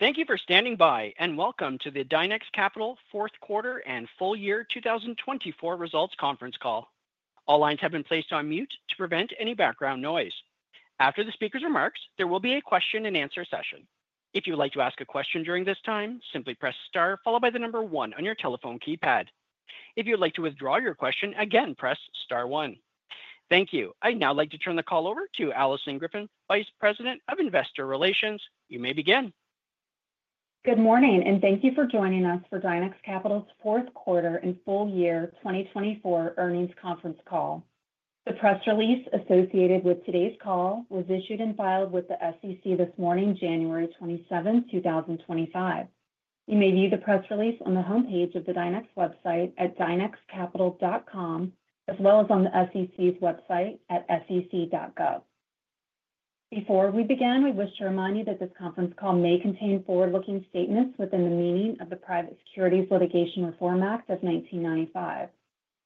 Thank you for standing by, and welcome to the Dynex Capital Fourth Quarter and Full Year 2024 Results Conference Call. All lines have been placed on mute to prevent any background noise. After the speaker's remarks, there will be a question-and-answer session. If you would like to ask a question during this time, simply press Star followed by the number 1 on your telephone keypad. If you would like to withdraw your question, again press Star 1. Thank you. I'd now like to turn the call over to Alison Griffin, Vice President of Investor Relations. You may begin. Good morning, and thank you for joining us for Dynex Capital's Fourth Quarter and Full Year 2024 Earnings Conference Call. The press release associated with today's call was issued and filed with the SEC this morning, January 27, 2025. You may view the press release on the homepage of the Dynex website at dynexcapital.com, as well as on the SEC's website at sec.gov. Before we begin, we wish to remind you that this conference call may contain forward-looking statements within the meaning of the Private Securities Litigation Reform Act of 1995.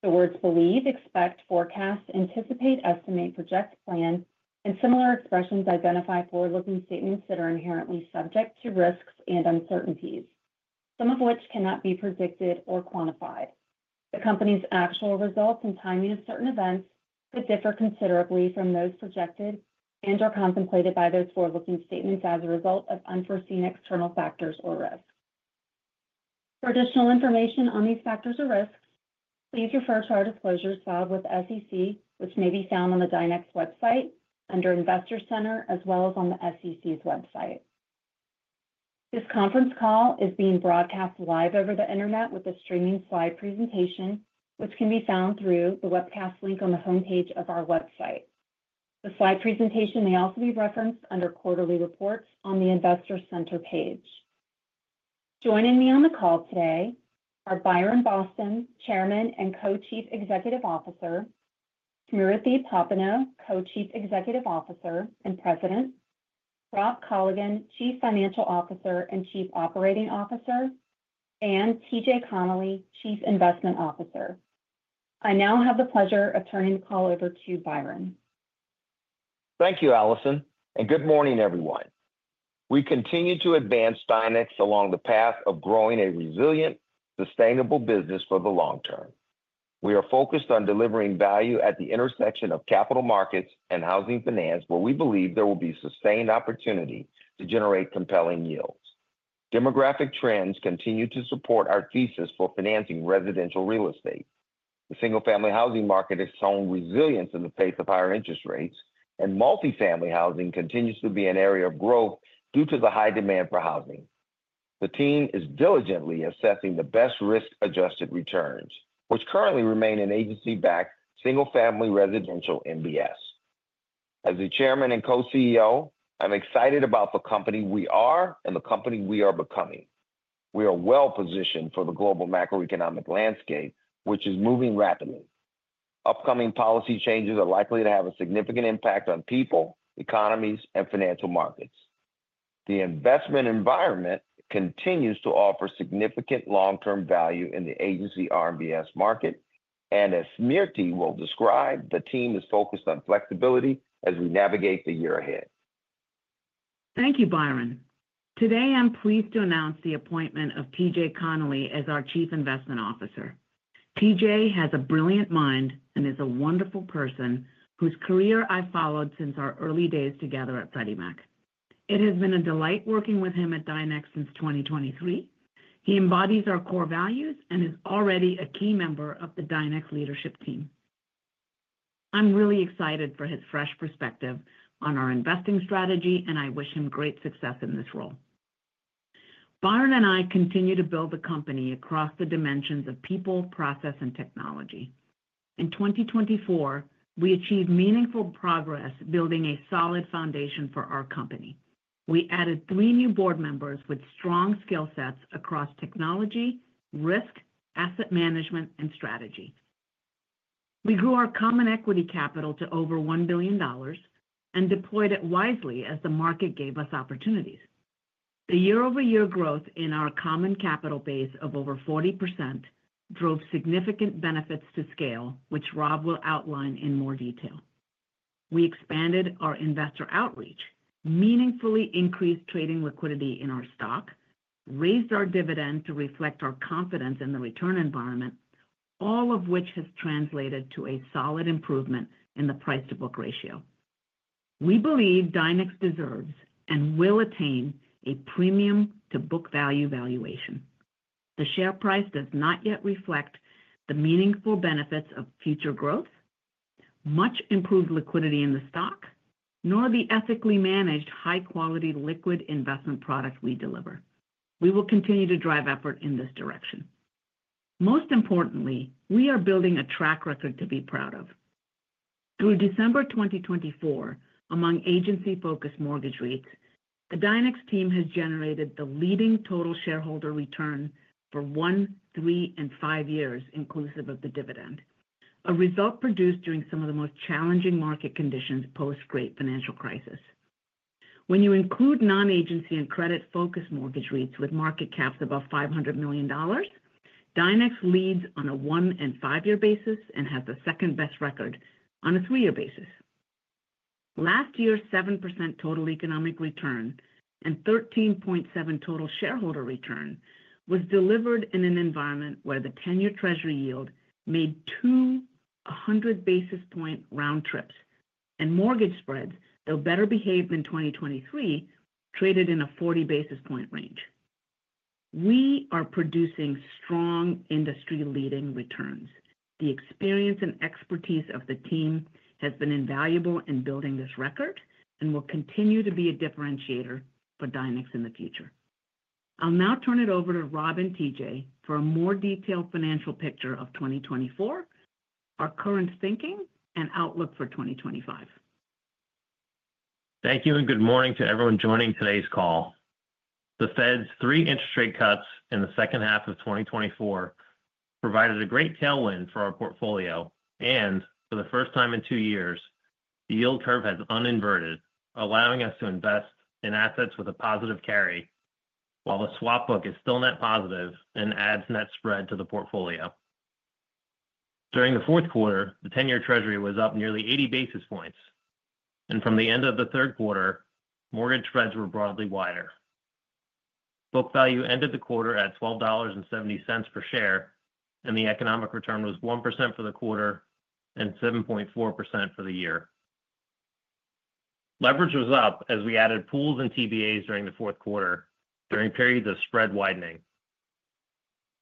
The words believe, expect, forecast, anticipate, estimate, project, plan, and similar expressions identify forward-looking statements that are inherently subject to risks and uncertainties, some of which cannot be predicted or quantified. The company's actual results and timing of certain events could differ considerably from those projected and/or contemplated by those forward-looking statements as a result of unforeseen external factors or risks. For additional information on these factors or risks, please refer to our disclosures filed with the SEC, which may be found on the Dynex website under Investor Center, as well as on the SEC's website. This conference call is being broadcast live over the internet with a streaming slide presentation, which can be found through the webcast link on the homepage of our website. The slide presentation may also be referenced under Quarterly Reports on the Investor Center page. Joining me on the call today are Byron Boston, Chairman and Co-Chief Executive Officer, Smriti Popenoe, Co-Chief Executive Officer and President, Rob Colligan, Chief Financial Officer and Chief Operating Officer, and T.J. Connelly, Chief Investment Officer. I now have the pleasure of turning the call over to Byron. Thank you, Alison, and good morning, everyone. We continue to advance Dynex along the path of growing a resilient, sustainable business for the long term. We are focused on delivering value at the intersection of capital markets and housing finance, where we believe there will be sustained opportunity to generate compelling yields. Demographic trends continue to support our thesis for financing residential real estate. The single-family housing market has shown resilience in the face of higher interest rates, and multifamily housing continues to be an area of growth due to the high demand for housing. The team is diligently assessing the best risk-adjusted returns, which currently remain an Agency-backed single-family residential MBS. As the Chairman and Co-CEO, I'm excited about the company we are and the company we are becoming. We are well-positioned for the global macroeconomic landscape, which is moving rapidly. Upcoming policy changes are likely to have a significant impact on people, economies, and financial markets. The investment environment continues to offer significant long-term value in the Agency RMBS market, and as Smriti will describe, the team is focused on flexibility as we navigate the year ahead. Thank you, Byron. Today, I'm pleased to announce the appointment of T.J. Connelly as our Chief Investment Officer. T.J. has a brilliant mind and is a wonderful person whose career I've followed since our early days together at Freddie Mac. It has been a delight working with him at Dynex since 2023. He embodies our core values and is already a key member of the Dynex leadership team. I'm really excited for his fresh perspective on our investing strategy, and I wish him great success in this role. Byron and I continue to build the company across the dimensions of people, process, and technology. In 2024, we achieved meaningful progress building a solid foundation for our company. We added three new board members with strong skill sets across technology, risk, asset management, and strategy. We grew our common equity capital to over $1 billion and deployed it wisely as the market gave us opportunities. The year-over-year growth in our common capital base of over 40% drove significant benefits to scale, which Rob will outline in more detail. We expanded our investor outreach, meaningfully increased trading liquidity in our stock, raised our dividend to reflect our confidence in the return environment, all of which has translated to a solid improvement in the price-to-book ratio. We believe Dynex deserves and will attain a premium-to-book value valuation. The share price does not yet reflect the meaningful benefits of future growth, much improved liquidity in the stock, nor the ethically managed, high-quality liquid investment product we deliver. We will continue to drive effort in this direction. Most importantly, we are building a track record to be proud of. Through December 2024, among Agency-focused mortgage REITs, the Dynex team has generated the leading total shareholder return for one, three, and five years, inclusive of the dividend, a result produced during some of the most challenging market conditions post-Great Financial Crisis. When you include Non-Agency and credit-focused mortgage REITs with market caps above $500 million, Dynex leads on a one- and five-year basis and has the second-best record on a three-year basis. Last year's 7% total economic return and 13.7% total shareholder return was delivered in an environment where the 10-year Treasury yield made two 100 basis point round trips, and mortgage spreads, though better behaved than 2023, traded in a 40 basis point range. We are producing strong, industry-leading returns. The experience and expertise of the team has been invaluable in building this record and will continue to be a differentiator for Dynex in the future. I'll now turn it over to Rob and T.J. for a more detailed financial picture of 2024, our current thinking, and outlook for 2025. Thank you, and good morning to everyone joining today's call. The Fed's three interest rate cuts in the second half of 2024 provided a great tailwind for our portfolio, and for the first time in two years, the yield curve has uninverted, allowing us to invest in assets with a positive carry while the swap book is still net positive and adds net spread to the portfolio. During the fourth quarter, the 10-year Treasury was up nearly 80 basis points, and from the end of the third quarter, mortgage spreads were broadly wider. Book value ended the quarter at $12.70 per share, and the economic return was 1% for the quarter and 7.4% for the year. Leverage was up as we added pools and TBAs during the fourth quarter during periods of spread widening.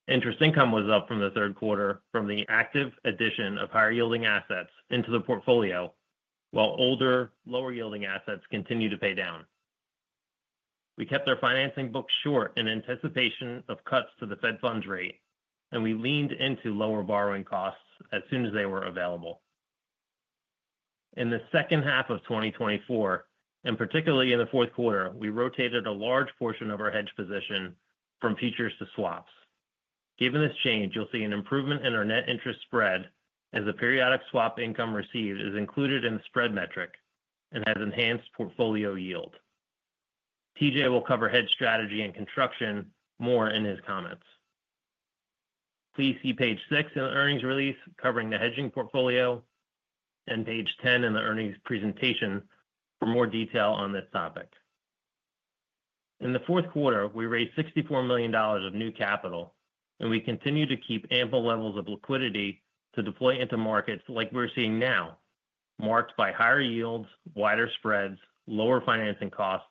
Interest income was up from the third quarter from the active addition of higher-yielding assets into the portfolio, while older, lower-yielding assets continued to pay down. We kept our financing book short in anticipation of cuts to the Fed funds rate, and we leaned into lower borrowing costs as soon as they were available. In the second half of 2024, and particularly in the fourth quarter, we rotated a large portion of our hedge position from futures to swaps. Given this change, you'll see an improvement in our net interest spread as the periodic swap income received is included in the spread metric and has enhanced portfolio yield. T.J. will cover hedge strategy and construction more in his comments. Please see page 6 in the earnings release covering the hedging portfolio and page 10 in the earnings presentation for more detail on this topic. In the fourth quarter, we raised $64 million of new capital, and we continue to keep ample levels of liquidity to deploy into markets like we're seeing now, marked by higher yields, wider spreads, lower financing costs,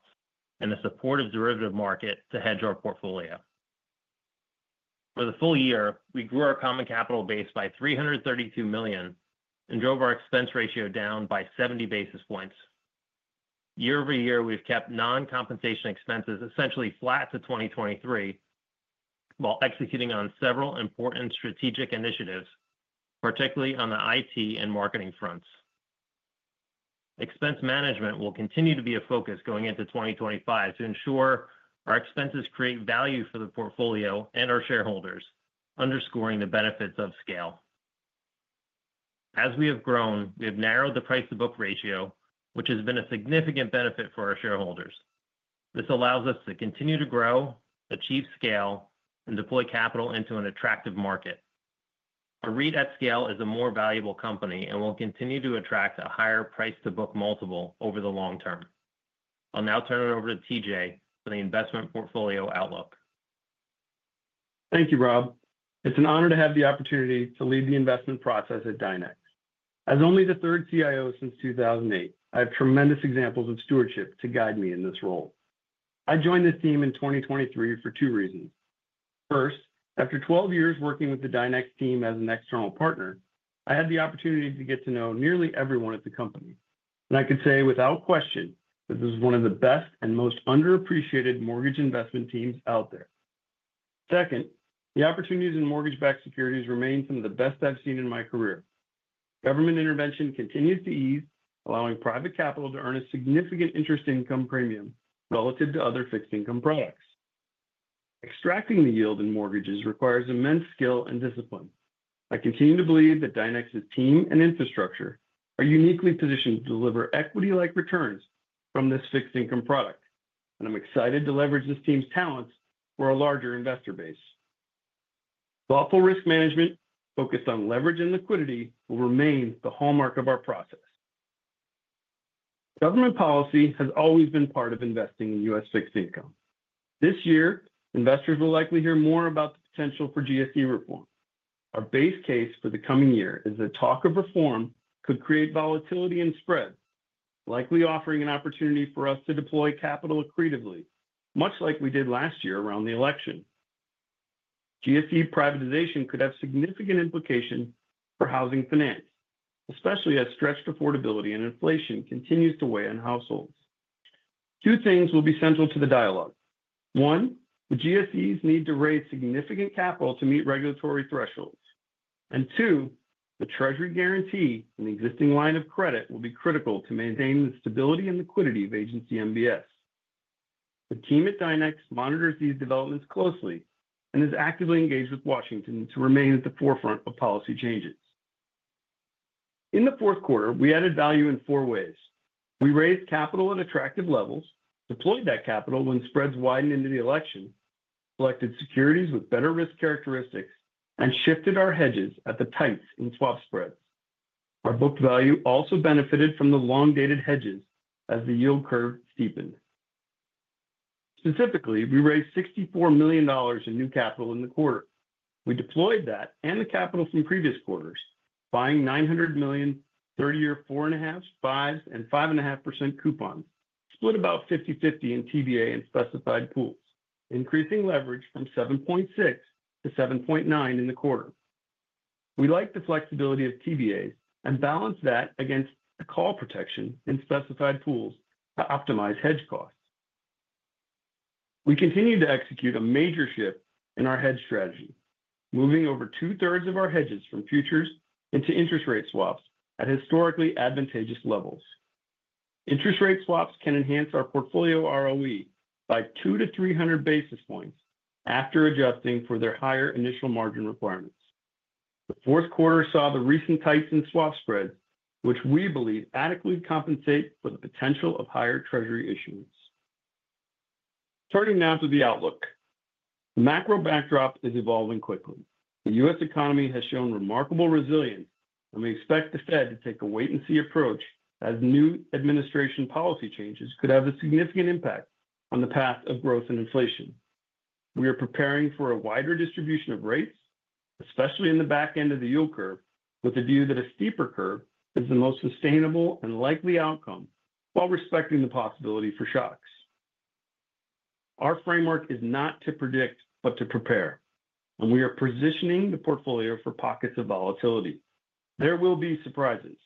and the support of derivative market to hedge our portfolio. For the full year, we grew our common capital base by $332 million and drove our expense ratio down by 70 basis points. Year over year, we've kept non-compensation expenses essentially flat to 2023 while executing on several important strategic initiatives, particularly on the IT and marketing fronts. Expense management will continue to be a focus going into 2025 to ensure our expenses create value for the portfolio and our shareholders, underscoring the benefits of scale. As we have grown, we have narrowed the price-to-book ratio, which has been a significant benefit for our shareholders. This allows us to continue to grow, achieve scale, and deploy capital into an attractive market. A REIT at scale is a more valuable company and will continue to attract a higher price-to-book multiple over the long term. I'll now turn it over to T.J. for the investment portfolio outlook. Thank you, Rob. It's an honor to have the opportunity to lead the investment process at Dynex. As only the third CIO since 2008, I have tremendous examples of stewardship to guide me in this role. I joined this team in 2023 for two reasons. First, after 12 years working with the Dynex team as an external partner, I had the opportunity to get to know nearly everyone at the company, and I could say without question that this is one of the best and most underappreciated mortgage investment teams out there. Second, the opportunities in mortgage-backed securities remain some of the best I've seen in my career. Government intervention continues to ease, allowing private capital to earn a significant interest income premium relative to other fixed income products. Extracting the yield in mortgages requires immense skill and discipline. I continue to believe that Dynex's team and infrastructure are uniquely positioned to deliver equity-like returns from this fixed income product, and I'm excited to leverage this team's talents for a larger investor base. Thoughtful risk management focused on leverage and liquidity will remain the hallmark of our process. Government policy has always been part of investing in U.S. fixed income. This year, investors will likely hear more about the potential for GSE reform. Our base case for the coming year is that talk of reform could create volatility and spread, likely offering an opportunity for us to deploy capital accretively, much like we did last year around the election. GSE privatization could have significant implications for housing finance, especially as stretched affordability and inflation continue to weigh on households. Two things will be central to the dialogue. One, the GSEs need to raise significant capital to meet regulatory thresholds. And two, the Treasury guarantee and existing line of credit will be critical to maintain the stability and liquidity of Agency MBS. The team at Dynex monitors these developments closely and is actively engaged with Washington to remain at the forefront of policy changes. In the fourth quarter, we added value in four ways. We raised capital at attractive levels, deployed that capital when spreads widened into the election, selected securities with better risk characteristics, and shifted our hedges at the tights in swap spreads. Our book value also benefited from the long-dated hedges as the yield curve steepened. Specifically, we raised $64 million in new capital in the quarter. We deployed that and the capital from previous quarters, buying $900 million 30-year 4.5s, 5s, and 5.5% coupons, split about 50/50 in TBA and specified pools, increasing leverage from 7.6 to 7.9 in the quarter. We liked the flexibility of TBAs and balanced that against the call protection in specified pools to optimize hedge costs. We continue to execute a major shift in our hedge strategy, moving over two-thirds of our hedges from futures into interest rate swaps at historically advantageous levels. Interest rate swaps can enhance our portfolio ROE by 200-300 basis points after adjusting for their higher initial margin requirements. The fourth quarter saw the recent tights in swap spreads, which we believe adequately compensate for the potential of higher Treasury issuance. Turning now to the outlook. The macro backdrop is evolving quickly. The U.S. economy has shown remarkable resilience, and we expect the Fed to take a wait-and-see approach as new administration policy changes could have a significant impact on the path of growth and inflation. We are preparing for a wider distribution of rates, especially in the back end of the yield curve, with the view that a steeper curve is the most sustainable and likely outcome while respecting the possibility for shocks. Our framework is not to predict, but to prepare, and we are positioning the portfolio for pockets of volatility. There will be surprises,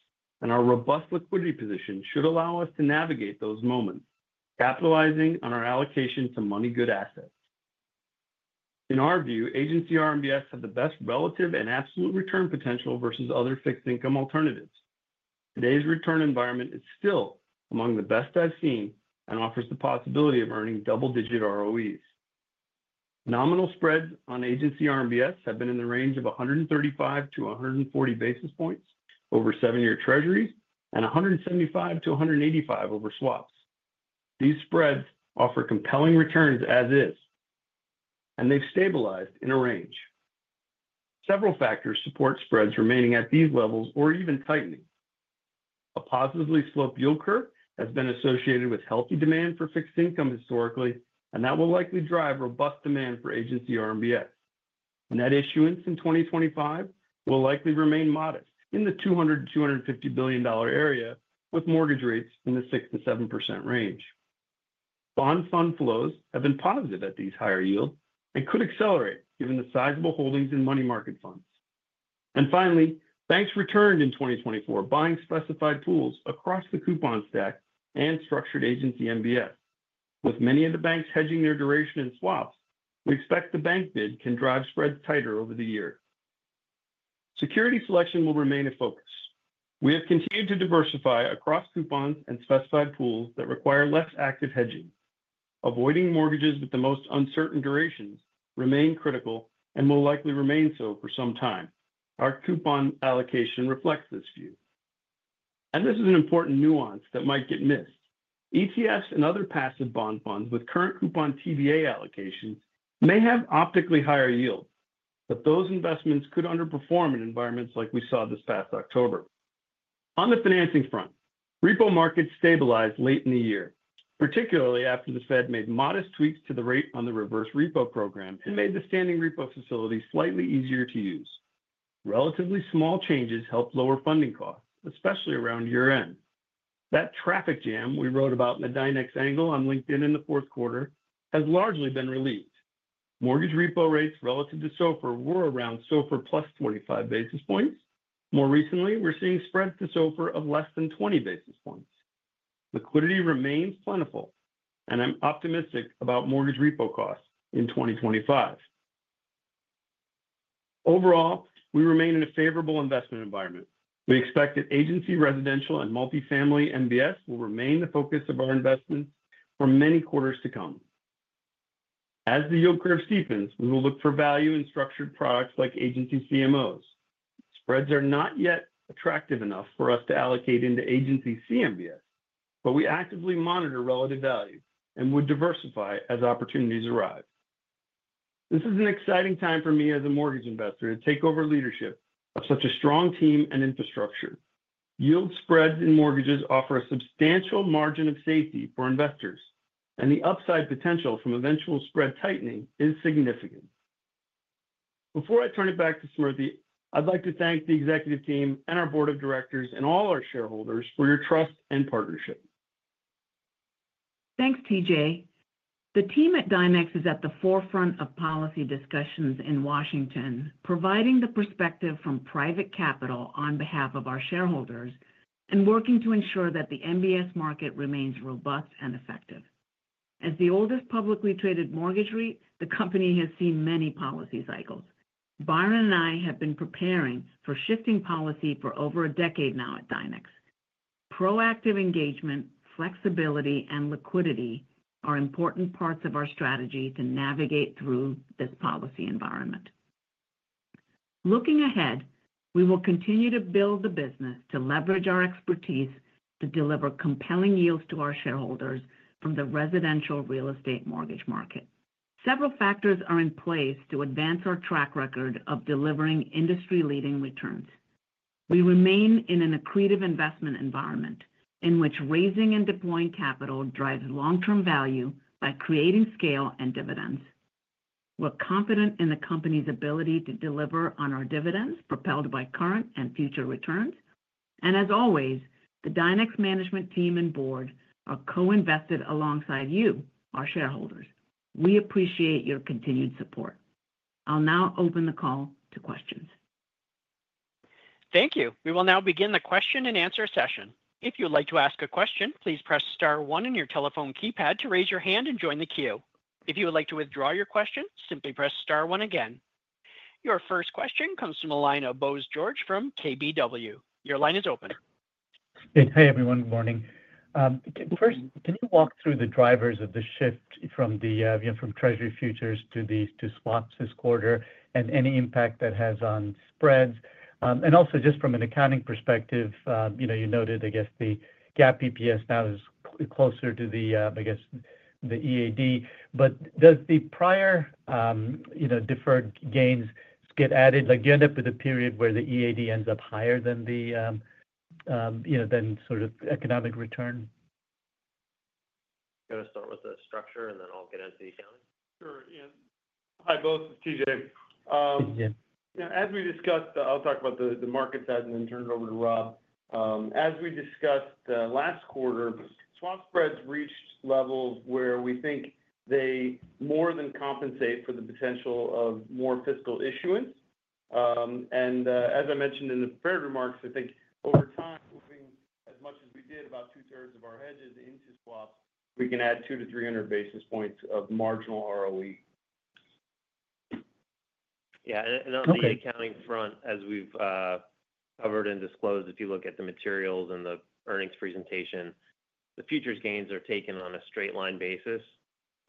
and our robust liquidity position should allow us to navigate those moments, capitalizing on our allocation to money-good assets. In our view, Agency RMBS have the best relative and absolute return potential versus other fixed income alternatives. Today's return environment is still among the best I've seen and offers the possibility of earning double-digit ROEs. Nominal spreads on Agency RMBS have been in the range of 135 to 140 basis points over 7-year Treasuries and 175 to 185 over swaps. These spreads offer compelling returns as is, and they've stabilized in a range. Several factors support spreads remaining at these levels or even tightening. A positively sloped yield curve has been associated with healthy demand for fixed income historically, and that will likely drive robust demand for Agency RMBS. Net issuance in 2025 will likely remain modest in the $200-$250 billion area, with mortgage rates in the 6%-7% range. Bond fund flows have been positive at these higher yields and could accelerate given the sizable holdings in money market funds. And finally, banks returned in 2024, buying specified pools across the coupon stack and structured Agency MBS. With many of the banks hedging their duration in swaps, we expect the bank bid can drive spreads tighter over the year. Security selection will remain a focus. We have continued to diversify across coupons and specified pools that require less active hedging. Avoiding mortgages with the most uncertain durations remains critical and will likely remain so for some time. Our coupon allocation reflects this view, and this is an important nuance that might get missed. ETFs and other passive bond funds with current coupon TBA allocations may have optically higher yields, but those investments could underperform in environments like we saw this past October. On the financing front, repo markets stabilized late in the year, particularly after the Fed made modest tweaks to the rate on the reverse repo program and made the Standing Repo Facility slightly easier to use. Relatively small changes helped lower funding costs, especially around year-end. That traffic jam we wrote about in the Dynex Angle on LinkedIn in the fourth quarter has largely been relieved. Mortgage repo rates relative to SOFR were around SOFR plus 25 basis points. More recently, we're seeing spreads to SOFR of less than 20 basis points. Liquidity remains plentiful, and I'm optimistic about mortgage repo costs in 2025. Overall, we remain in a favorable investment environment. We expect that Agency residential and multifamily MBS will remain the focus of our investments for many quarters to come. As the yield curve steepens, we will look for value in structured products like Agency CMOs. Spreads are not yet attractive enough for us to allocate into Agency CMBS, but we actively monitor relative value and would diversify as opportunities arise. This is an exciting time for me as a mortgage investor to take over leadership of such a strong team and infrastructure. Yield spreads in mortgages offer a substantial margin of safety for investors, and the upside potential from eventual spread tightening is significant. Before I turn it back to Smriti, I'd like to thank the executive team and our board of directors and all our shareholders for your trust and partnership. Thanks, T.J. The team at Dynex is at the forefront of policy discussions in Washington, providing the perspective from private capital on behalf of our shareholders and working to ensure that the MBS market remains robust and effective. As the oldest publicly traded mortgage REIT, the company has seen many policy cycles. Byron and I have been preparing for shifting policy for over a decade now at Dynex. Proactive engagement, flexibility, and liquidity are important parts of our strategy to navigate through this policy environment. Looking ahead, we will continue to build the business to leverage our expertise to deliver compelling yields to our shareholders from the residential real estate mortgage market. Several factors are in place to advance our track record of delivering industry-leading returns. We remain in an accretive investment environment in which raising and deploying capital drives long-term value by creating scale and dividends. We're confident in the company's ability to deliver on our dividends propelled by current and future returns, and as always, the Dynex Management Team and Board are co-invested alongside you, our shareholders. We appreciate your continued support. I'll now open the call to questions. Thank you. We will now begin the question and answer session. If you'd like to ask a question, please press star one in your telephone keypad to raise your hand and join the queue. If you would like to withdraw your question, simply press star one again. Your first question comes from Bose George from KBW. Your line is open. Hey, everyone. Good morning. First, can you walk through the drivers of the shift from the Treasury futures to swaps this quarter and any impact that has on spreads? And also, just from an accounting perspective, you noted, I guess, the GAAP EPS now is closer to the, I guess, the EAD. But does the prior deferred gains get added? Like, you end up with a period where the EAD ends up higher than the, you know, than sort of economic return? Got to start with the structure, and then I'll get into the accounting. Sure. Hi, both. It's T.J. As we discussed, I'll talk about the markets and then turn it over to Rob. As we discussed last quarter, swap spreads reached levels where we think they more than compensate for the potential of more fiscal issuance, and as I mentioned in the prepared remarks, I think over time, moving as much as we did about two-thirds of our hedges into swaps, we can add 200-300 basis points of marginal ROE. Yeah. And on the accounting front, as we've covered and disclosed, if you look at the materials and the earnings presentation, the futures gains are taken on a straight-line basis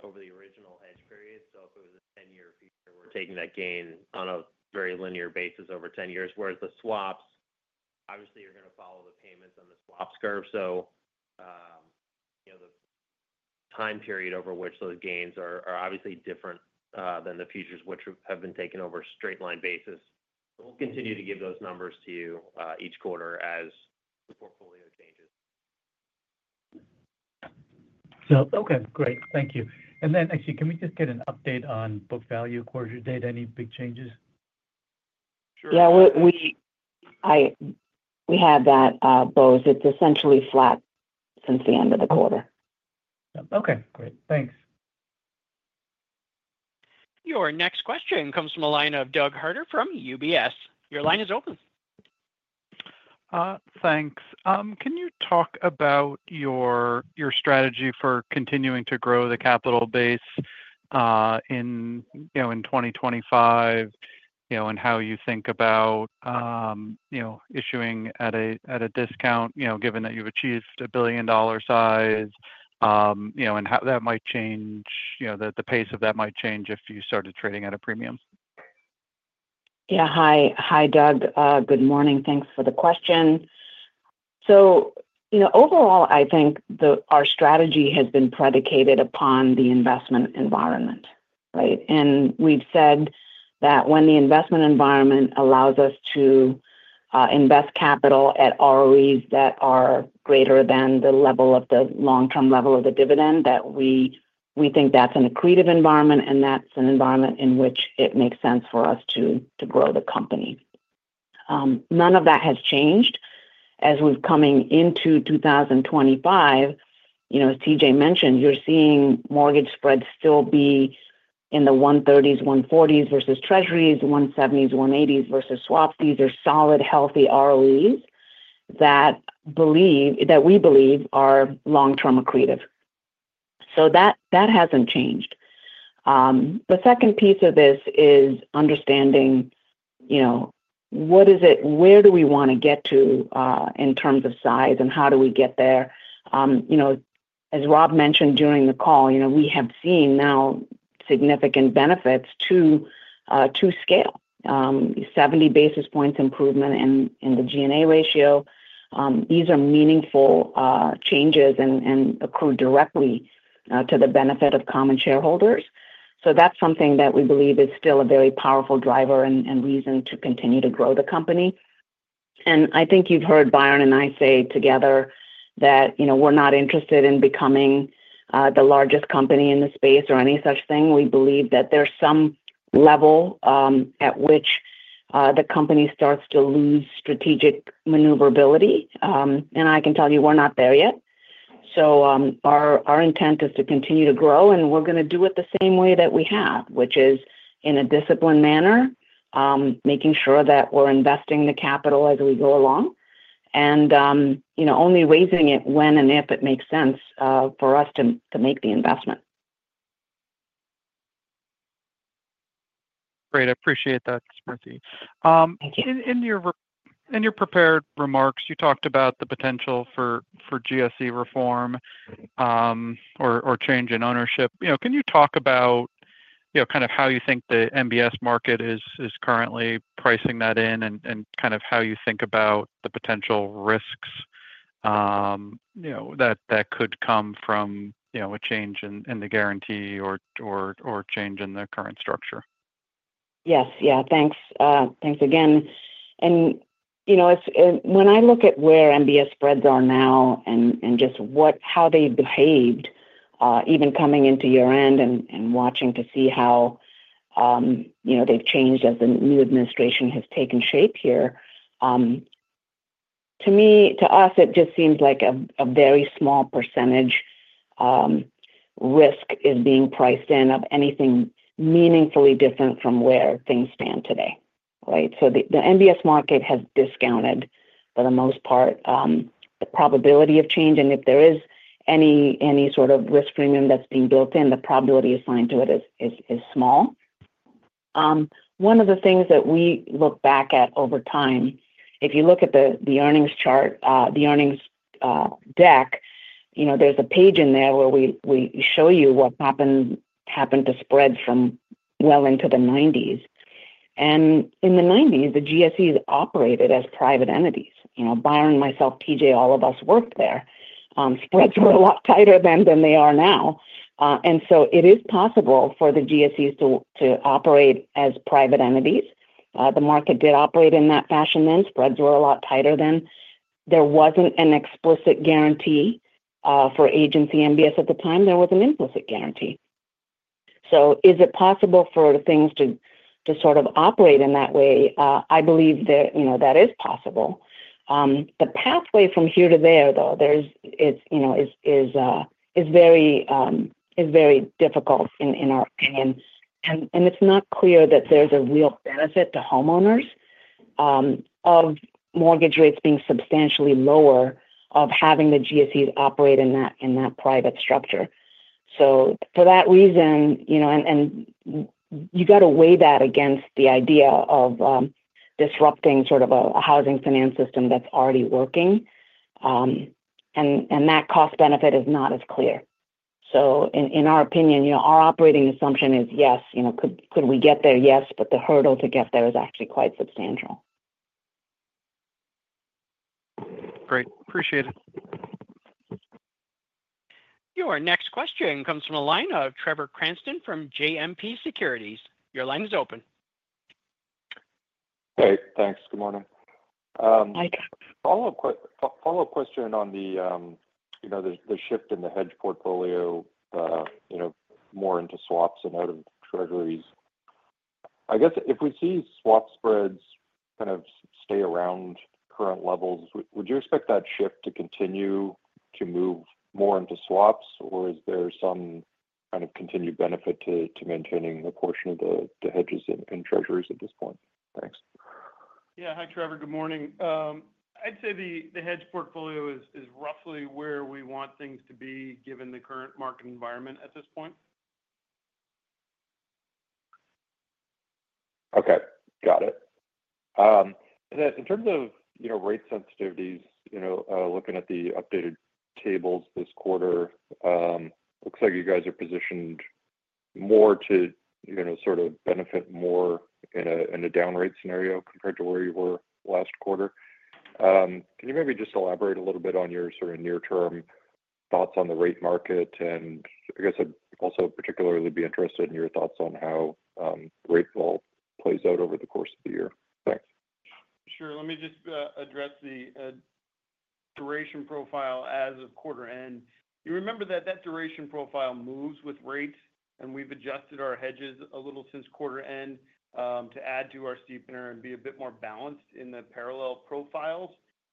over the original hedge period. So if it was a 10-year future, we're taking that gain on a very linear basis over 10 years. Whereas the swaps, obviously, are going to follow the payments on the swaps curve. So the time period over which those gains are obviously different than the futures, which have been taken over a straight-line basis. We'll continue to give those numbers to you each quarter as the portfolio changes. Okay. Great. Thank you. And then, actually, can we just get an update on book value according to your data? Any big changes? Sure. Yeah. We had that, Bose. It's essentially flat since the end of the quarter. Okay. Great. Thanks. Your next question comes from the line of Doug Harter from UBS. Your line is open. Thanks. Can you talk about your strategy for continuing to grow the capital base in 2025 and how you think about issuing at a discount, given that you've achieved a billion-dollar size and how that might change, the pace of that might change if you started trading at a premium? Yeah. Hi, Doug. Good morning. Thanks for the question. So overall, I think our strategy has been predicated upon the investment environment, right? And we've said that when the investment environment allows us to invest capital at ROEs that are greater than the level of the long-term level of the dividend, that we think that's an accretive environment, and that's an environment in which it makes sense for us to grow the company. None of that has changed. As we're coming into 2025, as T.J. mentioned, you're seeing mortgage spreads still be in the 130s, 140s versus Treasuries, 170s, 180s versus swaps. These are solid, healthy ROEs that we believe are long-term accretive. So that hasn't changed. The second piece of this is understanding what is it, where do we want to get to in terms of size, and how do we get there? As Rob mentioned during the call, we have seen now significant benefits to scale, 70 basis points improvement in the G&A ratio. These are meaningful changes and accrue directly to the benefit of common shareholders. So that's something that we believe is still a very powerful driver and reason to continue to grow the company. And I think you've heard Byron and I say together that we're not interested in becoming the largest company in the space or any such thing. We believe that there's some level at which the company starts to lose strategic maneuverability. And I can tell you we're not there yet. So our intent is to continue to grow, and we're going to do it the same way that we have, which is in a disciplined manner, making sure that we're investing the capital as we go along and only raising it when and if it makes sense for us to make the investment. Great. I appreciate that, Smriti. Thank you. In your prepared remarks, you talked about the potential for GSE reform or change in ownership. Can you talk about kind of how you think the MBS market is currently pricing that in and kind of how you think about the potential risks that could come from a change in the guarantee or change in the current structure? Yes. Yeah. Thanks. Thanks again, and when I look at where MBS spreads are now and just how they behaved, even coming into year-end and watching to see how they've changed as the new administration has taken shape here, to us, it just seems like a very small percentage risk is being priced in of anything meaningfully different from where things stand today, right? So the MBS market has discounted, for the most part, the probability of change. And if there is any sort of risk premium that's being built in, the probability assigned to it is small. One of the things that we look back at over time, if you look at the earnings chart, the earnings deck, there's a page in there where we show you what happened to spreads from well into the 1990s, and in the 1990s, the GSEs operated as private entities. Byron, myself, T.J., all of us worked there. Spreads were a lot tighter than they are now, and so it is possible for the GSEs to operate as private entities. The market did operate in that fashion then. Spreads were a lot tighter then. There wasn't an explicit guarantee for Agency MBS at the time. There was an implicit guarantee. So, is it possible for things to sort of operate in that way? I believe that is possible. The pathway from here to there, though, is very difficult in our opinion, and it's not clear that there's a real benefit to homeowners of mortgage rates being substantially lower of having the GSEs operate in that private structure. So, for that reason, and you got to weigh that against the idea of disrupting sort of a housing finance system that's already working, and that cost benefit is not as clear. So in our opinion, our operating assumption is, yes, could we get there? Yes, but the hurdle to get there is actually quite substantial. Great. Appreciate it. Your next question comes from the line of Trevor Cranston from JMP Securities. Your line is open. Hey. Thanks. Good morning. Hi. Follow-up question on the shift in the hedge portfolio more into swaps and out of Treasuries. I guess if we see swap spreads kind of stay around current levels, would you expect that shift to continue to move more into swaps, or is there some kind of continued benefit to maintaining a portion of the hedges in Treasuries at this point? Thanks. Yeah. Hi, Trevor. Good morning. I'd say the hedge portfolio is roughly where we want things to be given the current market environment at this point. Okay. Got it. In terms of rate sensitivities, looking at the updated tables this quarter, it looks like you guys are positioned more to sort of benefit more in a down rate scenario compared to where you were last quarter. Can you maybe just elaborate a little bit on your sort of near-term thoughts on the rate market? I guess I'd also particularly be interested in your thoughts on how rate path plays out over the course of the year. Thanks. Sure. Let me just address the duration profile as of quarter end. You remember that that duration profile moves with rates, and we've adjusted our hedges a little since quarter end to add to our steepener and be a bit more balanced in the parallel profiles.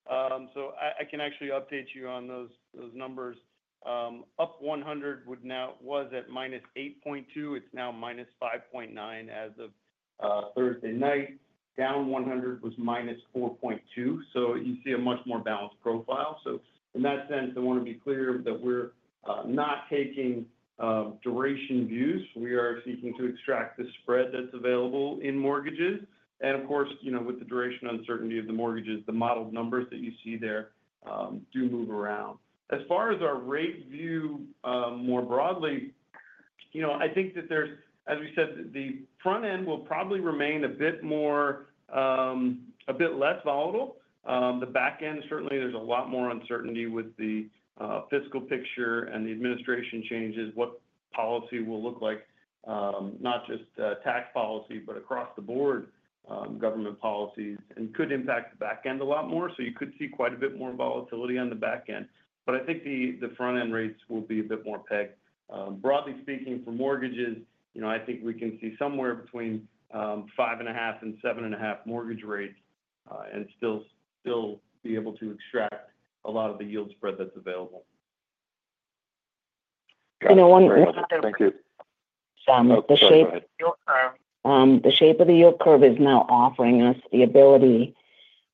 So I can actually update you on those numbers. Up 100 was at minus 8.2. It's now minus 5.9 as of Thursday night. Down 100 was minus 4.2. So you see a much more balanced profile. So in that sense, I want to be clear that we're not taking duration views. We are seeking to extract the spread that's available in mortgages. Of course, with the duration uncertainty of the mortgages, the model numbers that you see there do move around. As far as our rate view more broadly, I think that there's, as we said, the front end will probably remain a bit less volatile. The back end, certainly, there's a lot more uncertainty with the fiscal picture and the administration changes, what policy will look like, not just tax policy, but across the board government policies, and could impact the back end a lot more. So you could see quite a bit more volatility on the back end. But I think the front end rates will be a bit more pegged. Broadly speaking, for mortgages, I think we can see somewhere between five and a half and seven and a half mortgage rates and still be able to extract a lot of the yield spread that's available. One question. Thank you. The shape of the yield curve is now offering us the ability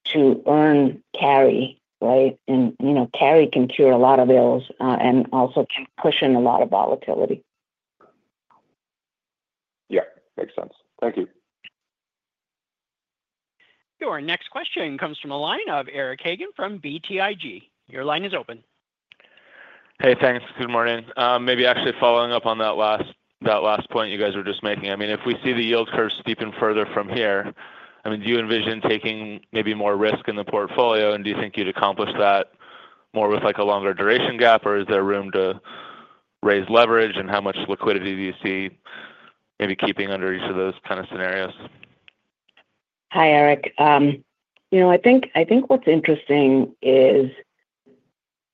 to earn carry, right? And carry can cure a lot of ills and also can cushion a lot of volatility. Yeah. Makes sense. Thank you. Your next question comes from the line of Eric Hagan from BTIG. Your line is open. Hey. Thanks. Good morning. Maybe actually following up on that last point you guys were just making. I mean, if we see the yield curve steepen further from here, I mean, do you envision taking maybe more risk in the portfolio, and do you think you'd accomplish that more with a longer duration gap, or is there room to raise leverage, and how much liquidity do you see maybe keeping under each of those kind of scenarios? Hi, Eric. I think what's interesting is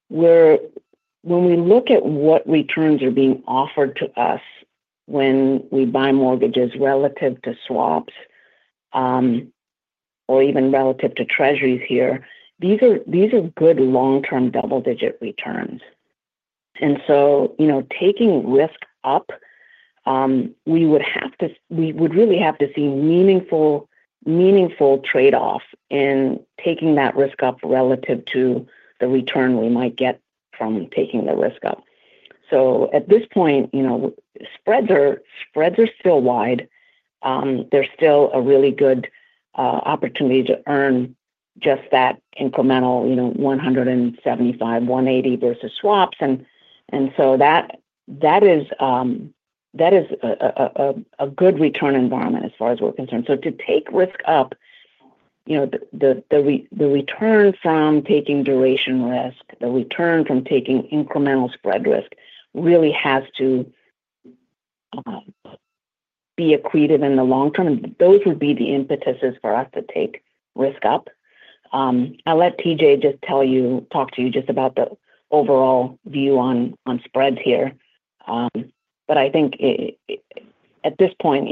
when we look at what returns are being offered to us when we buy mortgages relative to swaps or even relative to Treasuries here. These are good long-term double-digit returns. Taking risk up, we would really have to see meaningful trade-offs in taking that risk up relative to the return we might get from taking the risk up. At this point, spreads are still wide. There's still a really good opportunity to earn just that incremental 175, 180 versus swaps. That is a good return environment as far as we're concerned. To take risk up, the return from taking duration risk, the return from taking incremental spread risk really has to be accretive in the long term. Those would be the impetuses for us to take risk up. I'll let T.J. Just talk to you about the overall view on spreads here. But I think at this point,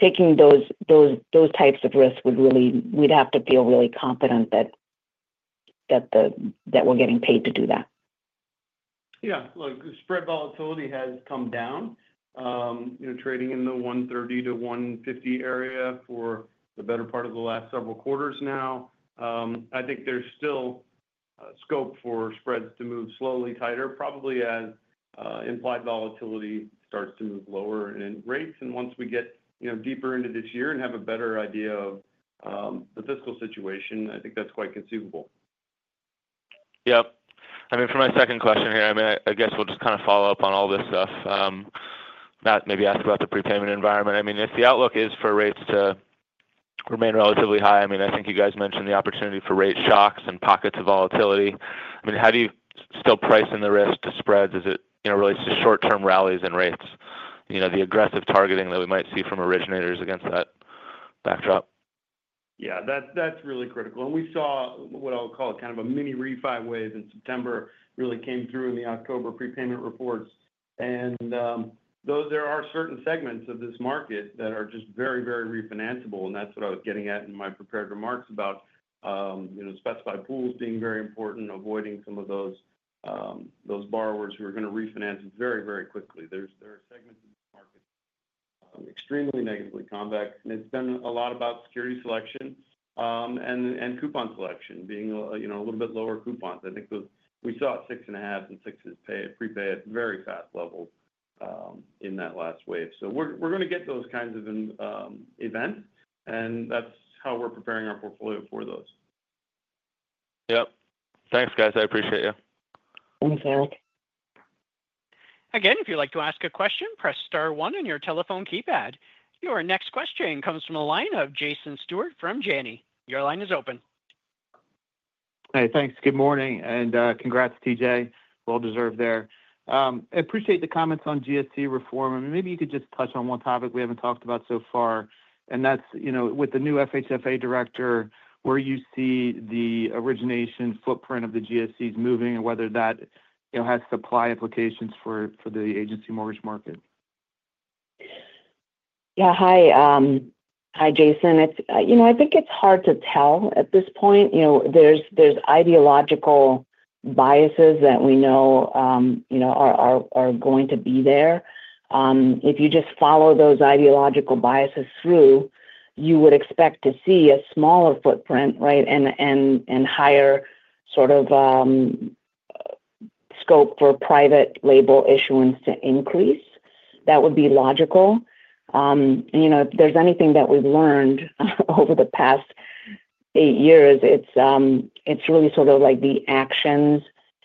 taking those types of risks, we'd have to feel really confident that we're getting paid to do that. Yeah. Look, spread volatility has come down, trading in the 130-150 area for the better part of the last several quarters now. I think there's still scope for spreads to move slowly, tighter, probably as implied volatility starts to move lower in rates, and once we get deeper into this year and have a better idea of the fiscal situation, I think that's quite conceivable. Yep. I mean, for my second question here, I mean, I guess we'll just kind of follow up on all this stuff, maybe ask about the prepayment environment. I mean, if the outlook is for rates to remain relatively high, I mean, I think you guys mentioned the opportunity for rate shocks and pockets of volatility. I mean, how do you still price in the risk to spreads as it relates to short-term rallies in rates, the aggressive targeting that we might see from originators against that backdrop? Yeah. That's really critical, and we saw what I'll call kind of a mini refi wave in September really came through in the October prepayment reports. And there are certain segments of this market that are just very, very refinanceable, and that's what I was getting at in my prepared remarks about specified pools being very important, avoiding some of those borrowers who are going to refinance very, very quickly. There are segments of the market extremely negatively convex, and it's been a lot about security selection and coupon selection being a little bit lower coupons. I think we saw six and a half and six prepay at very fast levels in that last wave, so we're going to get those kinds of events, and that's how we're preparing our portfolio for those. Yep. Thanks, guys. I appreciate you. Thanks, Eric. Again, if you'd like to ask a question, press star one on your telephone keypad. Your next question comes from the line of Jason Stewart from Janney. Your line is open. Hey. Thanks. Good morning. Congrats, T.J. Well-deserved there. I appreciate the comments on GSE reform. Maybe you could just touch on one topic we haven't talked about so far. That's with the new FHFA director, where you see the origination footprint of the GSEs moving and whether that has supply implications for the Agency mortgage market. Yeah. Hi, Jason. I think it's hard to tell at this point. There's ideological biases that we know are going to be there. If you just follow those ideological biases through, you would expect to see a smaller footprint, right, and higher sort of scope for private label issuance to increase. That would be logical. If there's anything that we've learned over the past eight years, it's really sort of like the actions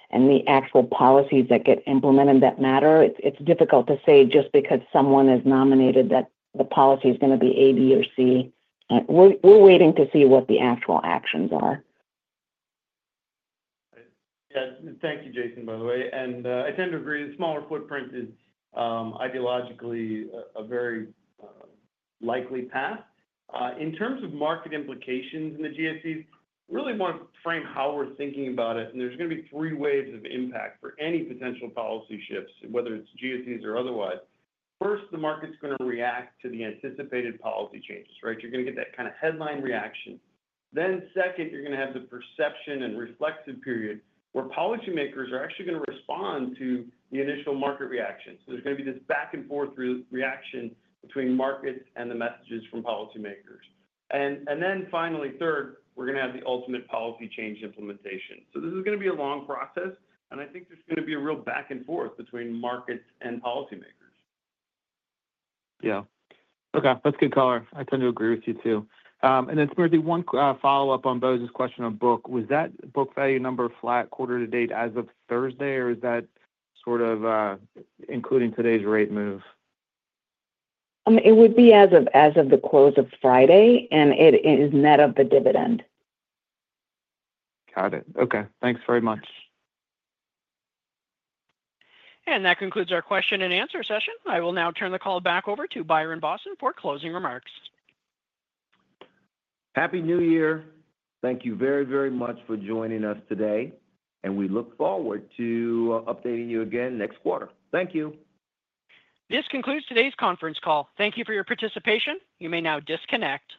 and the actual policies that get implemented that matter. It's difficult to say just because someone is nominated that the policy is going to be A, B, or C. We're waiting to see what the actual actions are. Yeah. Thank you, Jason, by the way. And I tend to agree the smaller footprint is ideologically a very likely path. In terms of market implications in the GSEs, I really want to frame how we're thinking about it. And there's going to be three waves of impact for any potential policy shifts, whether it's GSEs or otherwise. First, the market's going to react to the anticipated policy changes, right? You're going to get that kind of headline reaction. Then second, you're going to have the perception and reflexive period where policymakers are actually going to respond to the initial market reaction. So there's going to be this back-and-forth reaction between markets and the messages from policymakers. And then finally, third, we're going to have the ultimate policy change implementation. So this is going to be a long process. And I think there's going to be a real back-and-forth between markets and policymakers. Yeah. Okay. That's good color. I tend to agree with you too. And then Smriti, one follow-up on Bose's question on book. Was that book value number flat quarter to date as of Thursday, or is that sort of including today's rate move? It would be as of the close of Friday, and it is net of the dividend. Got it. Okay. Thanks very much. That concludes our question and answer session. I will now turn the call back over to Byron Boston for closing remarks. Happy New Year. Thank you very, very much for joining us today, and we look forward to updating you again next quarter. Thank you. This concludes today's conference call. Thank you for your participation. You may now disconnect.